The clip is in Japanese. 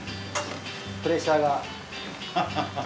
プレッシャーが。